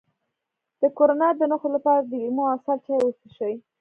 د کرونا د نښو لپاره د لیمو او عسل چای وڅښئ